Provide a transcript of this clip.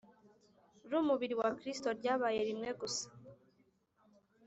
rumubiri wa kristu ryabaye rimwe gusa